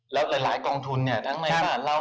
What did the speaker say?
และหลายกองทุนทั้งในภาพแร้ว